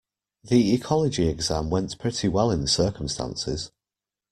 The ecology exam went pretty well in the circumstances.